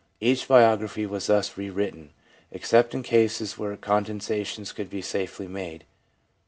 Each biography was thus re written, except in cases where con densations could be safely made.